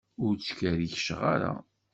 Ur ttkerriceɣ ara.